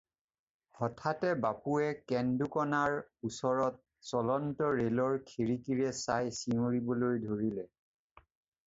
হঠাতে বাপুৱে কেন্দুকণাৰ ওচৰত চলন্ত ৰেলৰ খিৰিকীৰে চাই চিঞৰিবলৈ ধৰিলে।